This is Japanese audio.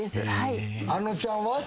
あのちゃんは？